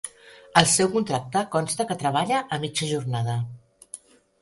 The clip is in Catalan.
Al seu contracte consta que treballa a mitja jornada.